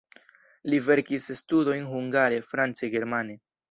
Li verkis studojn hungare, france, germane.